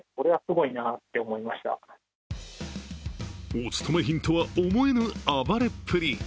おつとめ品とは思えぬ暴れっぷり。